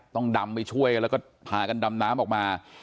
ต้องดำไปช่วยกันแล้วก็พากันดำน้ำออกมา